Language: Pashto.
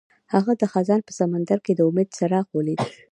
هغه د خزان په سمندر کې د امید څراغ ولید.